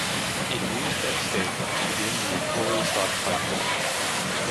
It used that stake to begin the employee stock plan.